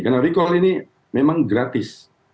karena recall ini memang gratis